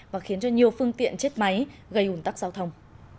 và khiến cho nhiều phương tiện chết máy gây ủn tắc giao thông